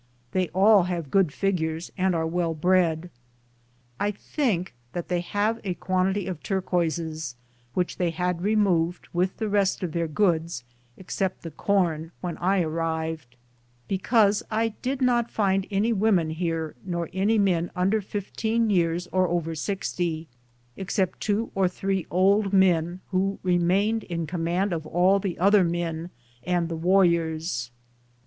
They all have good figures, and are well bred. I think that they have a quantity of turquoises, which they had removed with the rest of their goods, except the corn, when I arrived, because I did not find any women here nor any men under 15 years or over 60, except two or three old men who remained in com mand of all the other men and the warriors.